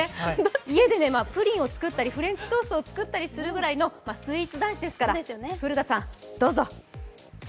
家でプリンを作ったり、フレンチトーストを作ったりするぐらいのスイーツ男子ですから古田さん、どうぞ。